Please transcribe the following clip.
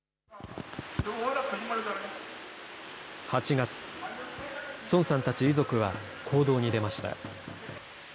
８月、ソンさんたち遺族は行動に出ました。